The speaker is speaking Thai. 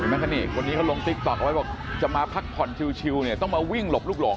นี่คนนี้เขาลงติ๊กต๊อกเอาไว้บอกจะมาพักผ่อนชิวเนี่ยต้องมาวิ่งหลบลูกหลง